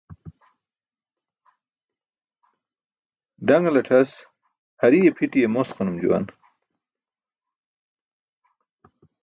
Ḍaṅlatʰas hariye phiṭiye mosqanum juwan